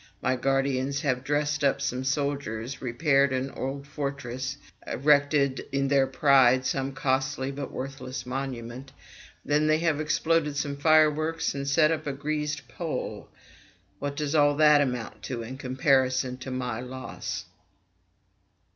My guardians have dressed up some soldiers, repaired an old fortress, erected in their pride some costly but worthless monument, then they have exploded some fireworks and set up a greased pole! What does all that amount to in comparison with my loss?